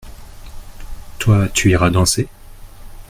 Toi tu iras danser ?